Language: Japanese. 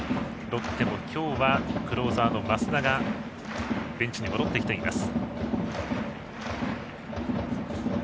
ロッテも今日はクローザーの益田がベンチに戻ってきています。